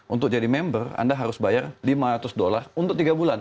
untuk jadi member anda harus bayar lima ratus dolar untuk tiga bulan